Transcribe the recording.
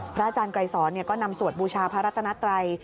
อาจารย์ไกรสอนก็นำสวดบูชาพระรัตนัตรัย